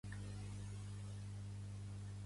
Pertany al moviment independentista la Cuca?